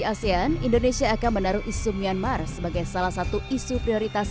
di asean indonesia akan menaruh isu myanmar sebagai salah satu isu prioritas